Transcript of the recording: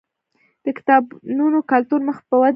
د کتابتونونو کلتور مخ په ودې دی.